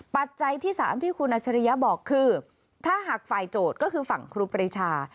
ปัจจัยที่๓ที่คุณอัชริยะบอกคือถ้าหากฝ่ายโจทย์ก็คือฝั่งครูปรีชา